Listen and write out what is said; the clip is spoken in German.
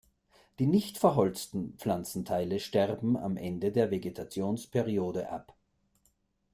Die nicht verholzten Pflanzenteile sterben am Ende der Vegetationsperiode ab.